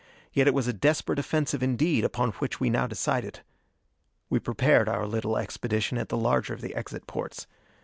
Yet it was a desperate offensive indeed upon which we now decided! We prepared our little expedition at the larger of the exit portes.